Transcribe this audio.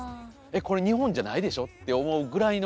これ日本じゃないでしょって思うぐらいの。